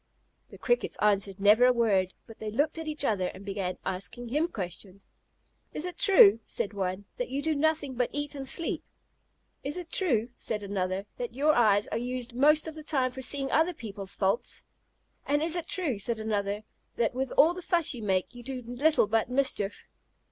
The Crickets answered never a word, but they looked at each other and began asking him questions. "Is it true," said one, "that you do nothing but eat and sleep?" "Is it true," said another, "that your eyes are used most of the time for seeing other people's faults?" "And is it true," said another, "that with all the fuss you make, you do little but mischief?"